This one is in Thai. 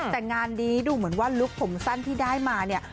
แต่งานนี้ดูเหมือนว่าลุคผมสั้นที่ได้มาเนี่ย